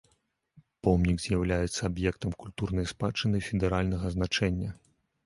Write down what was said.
Помнік з'яўляецца аб'ектам культурнай спадчыны федэральнага значэння.